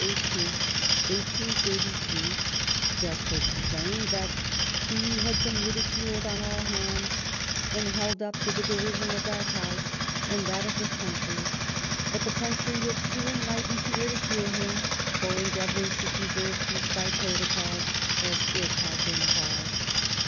18th, 1888, justly complained that He had been ridiculed on aU hands, and held np to the derision of that House and that of the conntry ; hnt the country was too en lightened to ridicule him for endeaTonring to preserve peace by protocols, as it had been caUed.